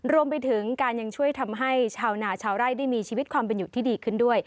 รวมไปถึงการยังช่วยทำให้ชาวนาชาวไร่ได้มีชีวิตความเป็นอยู่ที่ดีขึ้นด้วย